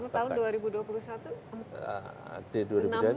jadi setahun dua ribu dua puluh satu